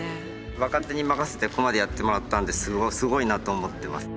若手に任せてここまでやってもらったんですごいなと思ってます。